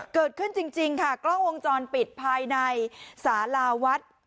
เกิดขึ้นจริงค่ะกล้องวงจรปิดภายในสาราวัด